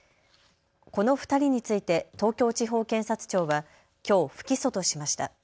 この２人について東京地方検察庁はきょう不起訴としました。